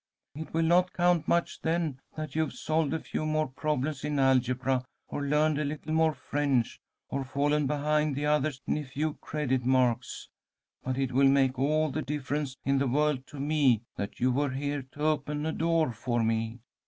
It will not count much then that you've solved a few more problems in algebra, or learned a little more French, or fallen behind the others in a few credit marks, but it will make all the difference in the world to me that you were here to open a door for me.